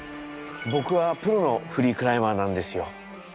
僕はプロのフリークライマーなんですよ。